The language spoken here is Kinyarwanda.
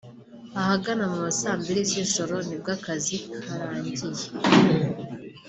Ahagana mu ma saa mbiri z’ijoro nibwo akazi karangiye